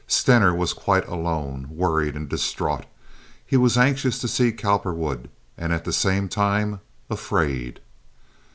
Stener was quite alone, worried and distraught. He was anxious to see Cowperwood, and at the same time afraid.